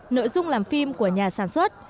nội dung làm phim của nhà sản xuất